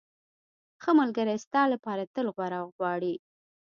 ښه ملګری ستا لپاره تل غوره غواړي.